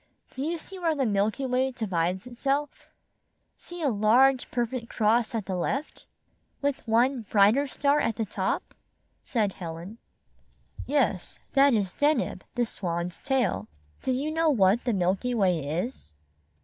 Do you see where the Milky Way divides itself? See a large per fect cross at the left?" "With one brighter star at the top?" said Helen. "Yes, that is Deneb, the Swan's tail. Do you know what the Milky Way is?"